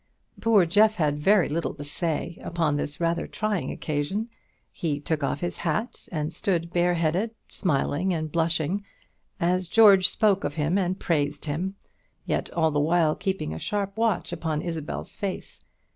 Poor Jeff had very little to say upon this rather trying occasion. He took off his hat, and stood bareheaded, smiling and blushing as George spoke of him and praised him yet all the while keeping a sharp watch upon Isabel's face.